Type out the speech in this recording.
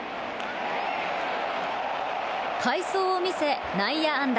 快走を見せ、内野安打。